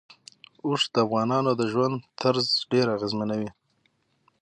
اوښ د افغانانو د ژوند طرز ډېر اغېزمنوي.